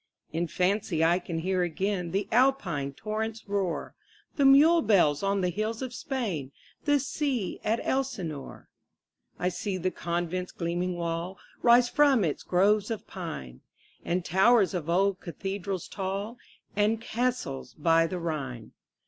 In fancy I can hear again The Alpine torrent's roar, The mule bells on the hills of Spain, 15 The sea at Elsinore. I see the convent's gleaming wall Rise from its groves of pine, And towers of old cathedrals tall, And castles by the Rhine.